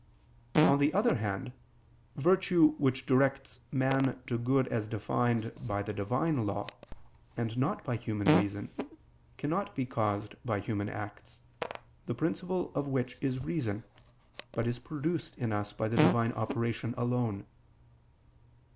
On the other hand, virtue which directs man to good as defined by the Divine Law, and not by human reason, cannot be caused by human acts, the principle of which is reason, but is produced in us by the Divine operation alone.